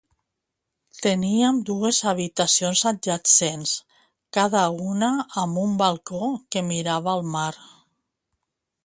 Teníem dues habitacions adjacents, cada una amb un balcó que mirava al mar.